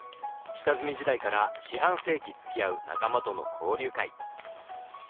下積み時代から四半世紀つきあう仲間との交流会。